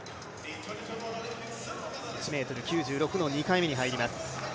１ｍ９６の２回目に入ります。